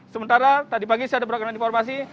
sementara tadi pagi saya ada beragam informasi